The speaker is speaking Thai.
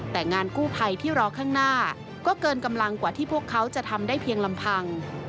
แต่งานกู้ภัยที่รอข้างหน้าก็เกินกำลังกว่าที่พวกเขาจะทำได้เพียงลำพัง